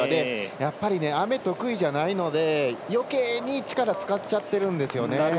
やっぱり雨、得意じゃないのでよけいに力使っちゃってるんですよね。